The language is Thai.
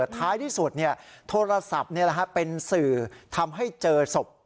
ท้ายที่สุดเนี่ยโทรศัพท์เนี่ยนะฮะเป็นสื่อทำให้เจอศพ